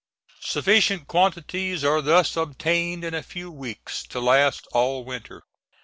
Sufficient quantities are thus obtained in a few weeks to last all winter.